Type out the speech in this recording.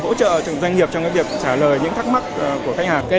hỗ trợ doanh nghiệp trong việc trả lời những thắc mắc của khách hàng